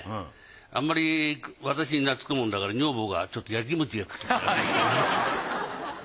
あんまり私に懐くもんだから女房がちょっとやきもちやくときが。